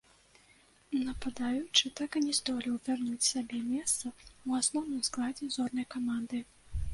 Нападаючы так і не здолеў вярнуць сабе месца ў асноўным складзе зорнай каманды.